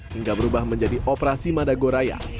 hingga berubah menjadi operasi madagoraya